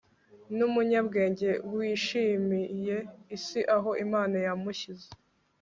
Numunyabwenge wishimiye isi aho Imana yamushyize